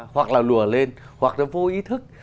hoặc là lùa lên hoặc là vô ý thức